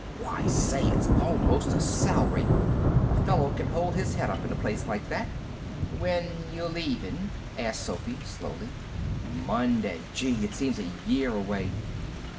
Why say, it's almost a salary. A fellow can hold his head up in a place like that." "When you leavin'?" asked Sophy, slowly. "Monday. Gee! it seems a year away."